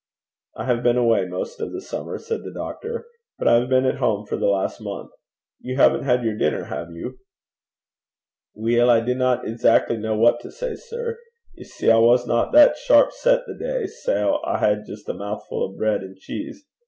'I have been away most of the summer,' said the doctor; 'but I have been at home for the last month. You haven't had your dinner, have you?' 'Weel, I dinna exackly ken what to say, sir. Ye see, I wasna that sharp set the day, sae I had jist a mou'fu' o' breid and cheese.